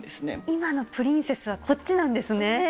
今のプリンセスはこっちなんですね。